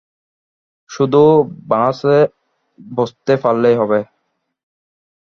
শুধু বাসে বসতে পারলেই হবে।